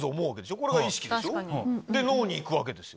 これが意識でしょで脳に行くわけですよ。